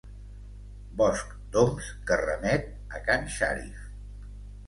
Bosc d'oms que remet a can Shariff.